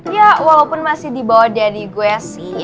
ya walaupun masih di bawah dari gue sih